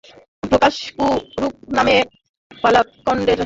প্রকাশ কুরুপ নামে পালাক্কড়ের একজন নজরদারি বিশেষজ্ঞ রয়েছেন।